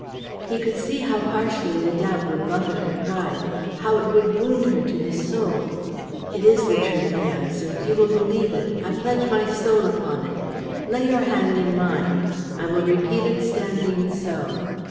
He could see how harshly the doubt would buffet her pride, how it would wound her to the soul. "It is the truth," he answered; "you will believe it. I pledge my soul upon it. Lay your hand in mine. I will repeat it standing so.